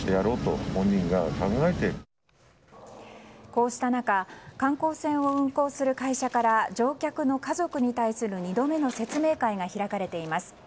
こうした中観光船を運航する会社から乗客の家族に対する２度目の説明会が開かれています。